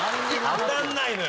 当たんないのよ。